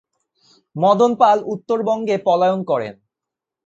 মদন পাল উত্তর বঙ্গে পলায়ন করেন।